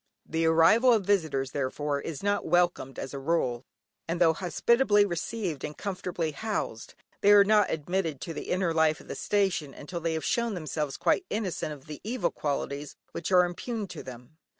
The arrival of visitors, therefore, is not welcomed as a rule, and though hospitably received and comfortably housed, they are not admitted into the inner life of the station until they have shown themselves quite innocent of the evil qualities which are imputed to them.